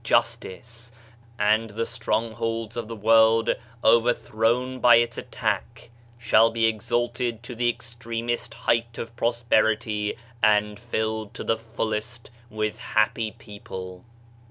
Justice, and the strongholds of the world, overthrown by its attack, shall be exalted to ihe ex □igitized by Google OF CIVILIZATION tremest height of prosperity and filled to the fullest with happy people.